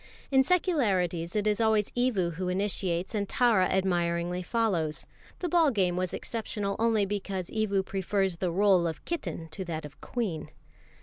In secularities it is always Evu who initiates, and Tara admiringly follows. The ball game was exceptional only because Evu prefers the rôle of kitten to that of queen.